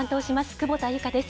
久保田祐佳です。